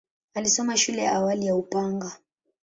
Alisoma shule ya awali ya Upanga.